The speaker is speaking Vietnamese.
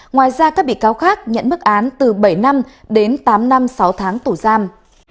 ngoài ra các bị cáo khác nhận bức án từ bảy năm đến tám năm sáu tháng tù giam